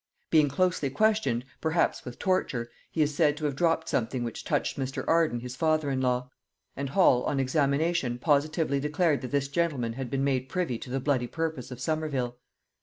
Being closely questioned, perhaps with torture, he is said to have dropped something which touched Mr. Arden his father in law; and Hall on examination positively declared that this gentleman had been made privy to the bloody purpose of Somerville.